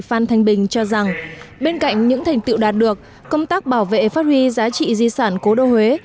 phan thanh bình cho rằng bên cạnh những thành tựu đạt được công tác bảo vệ phát huy giá trị di sản cố đô huế